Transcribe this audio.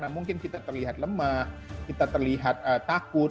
mungkin kita terlihat lemah kita terlihat takut